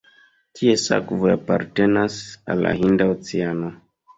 Ties akvoj apartenas al la Hinda Oceano.